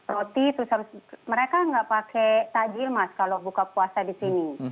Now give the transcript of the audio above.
roti terus mereka nggak pakai tajil mas kalau buka puasa di sini